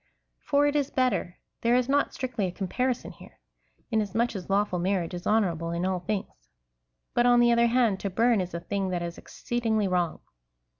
For it is better. There is not strictly a comparison here, inasmuch as lawful m,arriage is honourable in all things, (Heb. xiii. 4,) but, on the other hand, to burn is a thing that is ex ceedingly wrong.